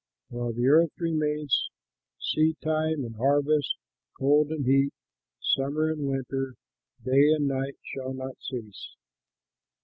While the earth remains, seedtime and harvest, cold and heat, summer and winter, day and night, shall not cease."